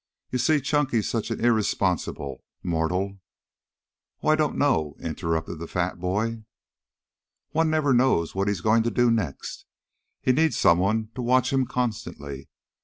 You see, Chunky's such an irresponsible mortal " "Oh, I don't know," interrupted the fat boy. "One never knows what he's going to do next. He needs some one to watch him constantly.